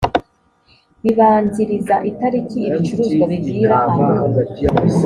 bibanziriza itariki ibicuruzwa bivira aho